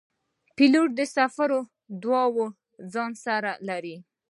پیلوټ د مسافرو دعاوې له ځان سره لري.